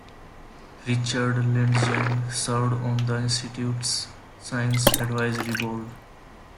Richard Lindzen served on the Institute's Science Advisory Board.